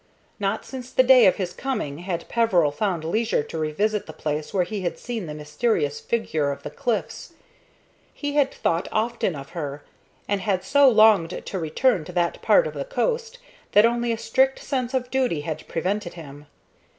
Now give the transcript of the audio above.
Not since the day of his coming had Peveril found leisure to revisit the place where he had seen the mysterious figure of the cliffs. He had thought often of her, and had so longed to return to that part of the coast that only a strict sense of duty had prevented him.